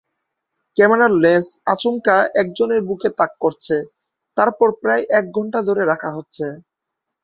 ক্যামেরার লেন্স আচমকা একজনের মুখে তাক করছে, তারপর প্রায় এক ঘন্টা ধরে রাখা হচ্ছে।